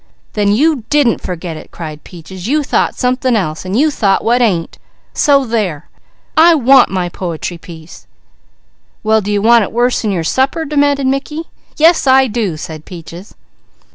"Then you didn't forget it!" cried Peaches. "You thought something else, and you thought what ain't! So there! I want my po'try piece!" "Well do you want it worse than your supper?" demanded Mickey. "Yes I do!" said Peaches.